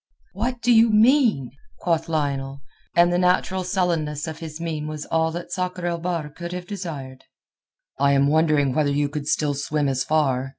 "What do you mean?" quoth Lionel, and the natural sullenness of his mien was all that Sakr el Bahr could have desired. "I am wondering whether you could still swim as far.